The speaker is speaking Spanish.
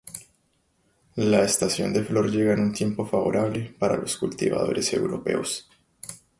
La estación de flor llega en un tiempo favorable para los cultivadores europeos.